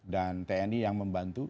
dan tni yang membantu